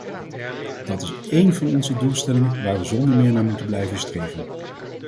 Dat is één van onze doelstellingen waar we zonder meer naar moeten blijven streven.